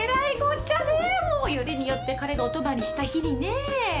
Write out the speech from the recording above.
もうよりによって彼がお泊まりした日にね。